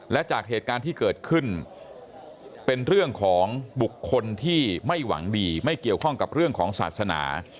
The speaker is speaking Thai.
และจากเหตุการณ์ที่เกิดขึ้นเป็นเรื่องของบุคคลที่ไม่หวังดีไม่เกี่ยวข้องกับเรื่องของศาสนา